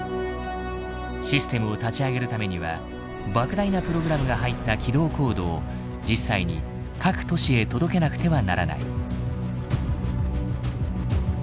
システムを立ち上げるためには莫大なプログラムが入った起動コードを実際に各都市へ届けなくてはならない。